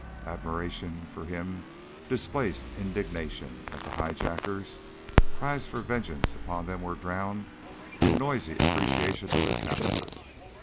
Admiration for him displaced indignation at the high jackers; cries for vengeance upon them were drowned in noisy appreciation of their captor.